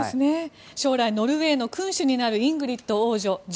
将来ノルウェーの君主になるイングリッド王女。